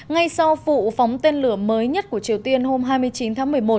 ngay sau vụ phóng tên lửa mới nhất của triều tiên hôm hai mươi chín tháng một mươi một